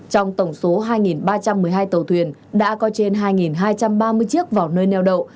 trong tổng số hai ba trăm một mươi hai tàu thuyền đã có trên hai hai trăm ba mươi chiếc vào nơi neo đậu